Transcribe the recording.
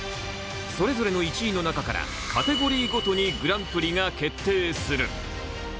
それぞれの１位の中からカテゴリーごとにグランプリが決定する。